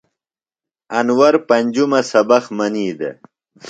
انور پنجُمہ سبق منی دےۡ۔